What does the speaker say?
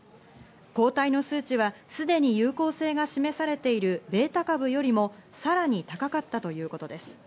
抗体の数値はすでに有効性が示されているベータ株よりもさらに高かったということです。